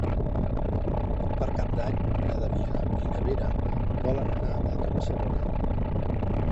Per Cap d'Any na Damià i na Vera volen anar a Torre-serona.